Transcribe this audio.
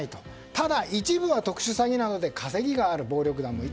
ただ、一部は特殊詐欺などで稼ぎがある。